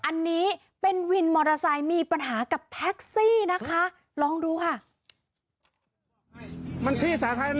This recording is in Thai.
อันนี้เป็นวินมอเตอร์ไซค์มีปัญหากับแท็กซี่นะคะลองดูค่ะ